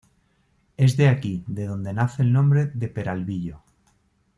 Es de aquí de donde nace el nombre de Peralvillo.